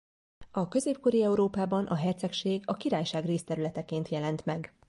A középkori Európában a hercegség a királyság részterületeként jelent meg.